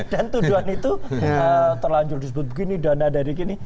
dan tuduhan itu terlanjur disebut begini dan ada dari gini